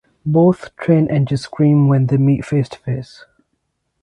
Both train engines scream when they meet face to face.